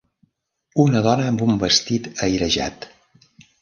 Una dona amb un vestit airejat